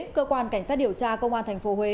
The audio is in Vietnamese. cơ quan cảnh sát điều tra công an thành phố huế